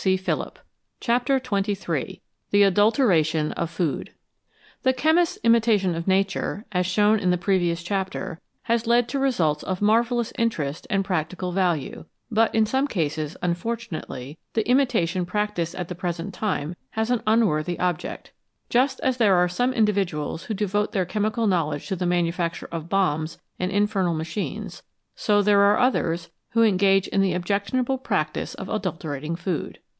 259 CHAPTER XXIII THE ADULTERATION OF FOOD THE chemist's imitation of Nature, as shown in the previous chapter, has led to results of marvellous interest and practical value, but in some cases, unfortunately, the imitation practised at the present time has an unworthy object. Just as there are some individuals who devote their chemical knowledge to the manufacture of bombs and infernal machines, so there are others who engage in the objectionable practice of adulterating food.